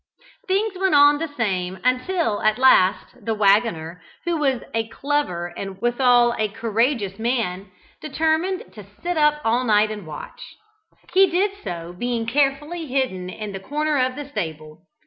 Things went on the same until at last the waggoner, who was a clever and withal a courageous man, determined to sit up all night and watch. He did so, being carefully hidden in the corner of the stable.